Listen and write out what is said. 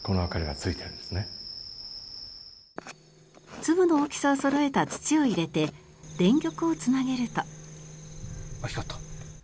粒の大きさをそろえた土を入れて電極をつなげると。